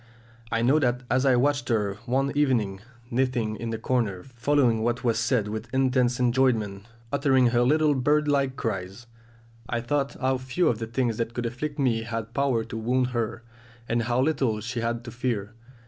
I know that as I watched her one evening knitting in the corner, following what was said with intense enjoyment, uttering her little bird like cries, I thought how few of the things that could afflict me had power to wound her, and how little she had to fear.